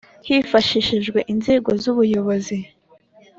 Hifashishijwe inzego z ubuyobozi